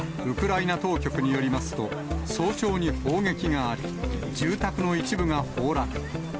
ウクライナ当局によりますと、早朝に砲撃があり、住宅の一部が崩落。